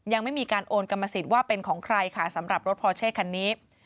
ยังไม่มีการโอนกรรมสิทธิ์ว่าเป็นของใครค่ะสำหรับรถพอเช่คันนี้